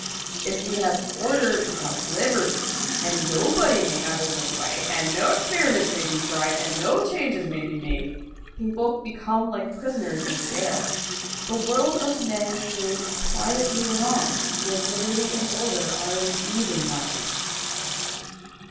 If we have order without liberty, and nobody may have his own way, and no experiments may be tried, and no changes may be made, people become like prisoners in a jail. The world of men goes quietly along when liberty and order are in even balance.